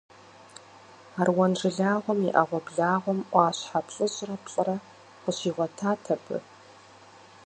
Аруан жылагъуэм и Ӏэгъуэблагъэм Ӏуащхьэ плӏыщӏрэ плӏырэ къыщигъуэтат абы.